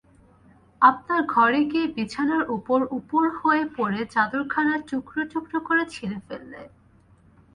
আপনার ঘরে গিয়ে বিছানার উপর উপুড় হয়ে পড়ে চাদরখানা টুকরো টুকরো করে ছিঁড়ে ফেললে।